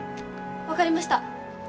分かりました。